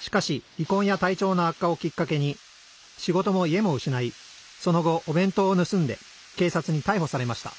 しかしりこんや体調の悪化をきっかけに仕事も家も失いその後お弁当を盗んでけいさつにたいほされました。